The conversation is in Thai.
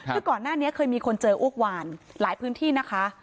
คือก่อนหน้านี้เคยมีคนเจออ้วกวานหลายพื้นที่นะคะ